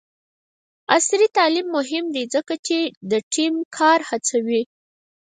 عصري تعلیم مهم دی ځکه چې د ټیم کار هڅوي.